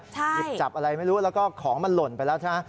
จับอะไรไม่รู้แล้วก็ของมันหล่นไปแล้ว